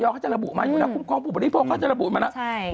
เขาจะระบุมาอยู่แล้วคุ้มครองผู้บริโภคเขาจะระบุมาแล้ว